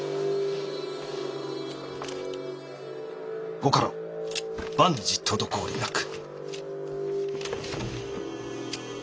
・ご家老万事滞りなく。